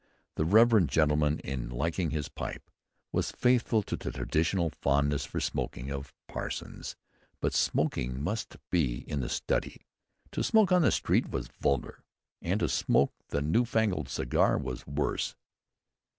The reverend gentleman in liking his pipe was faithful to the traditional fondness for smoking of parsons; but smoking must be in the study. To smoke in the street was vulgar; and to smoke the newfangled cigar was worse.